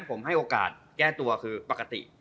ผมให้โอกาสแก้ตัวคือปกติ